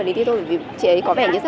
để chờ chị mẹ lại